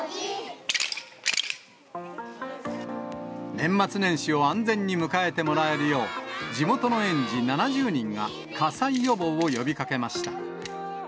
年末年始を安全に迎えてもらえるよう、地元の園児７０人が火災予防を呼びかけました。